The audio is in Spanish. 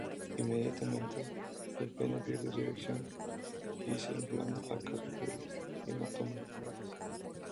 Inmediatamente, el pene pierde su erección y se inflama a causa del hematoma.